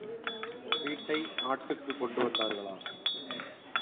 வீட்டை நாட்டுக்குக் கொண்டு வந்தார்களா?